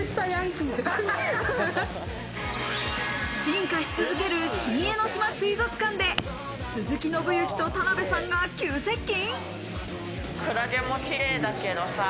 進化し続ける新江ノ島水族館で鈴木伸之と田辺さんが急接近？